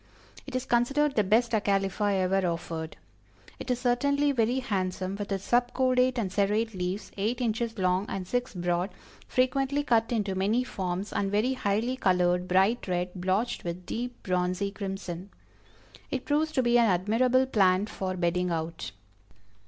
It is considered the best Acalypha ever offered. It is certainly very handsome with its "sub cordate and serrate leaves, eight inches long and six broad, frequently cut into many forms, and very highly colored bright red, blotched with deep bronzy crimson." It proves to be an admirable plant for bedding out.